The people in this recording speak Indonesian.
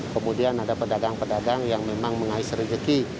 kemudian ada pedagang pedagang yang memang mengais rejeki